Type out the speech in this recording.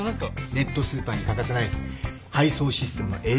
ネットスーパーに欠かせない配送システムのＡＩ開発。